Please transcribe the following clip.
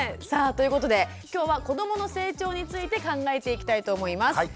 さあということで今日は子どもの成長について考えていきたいと思います。